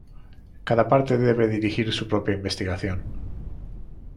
Cada parte debe dirigir su propia investigación.